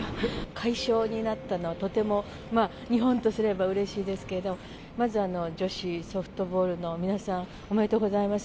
快勝になったのは、とても、日本とすればうれしいですけど、まず女子ソフトボールの皆さん、おめでとうございます。